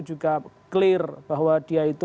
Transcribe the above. juga clear bahwa dia itu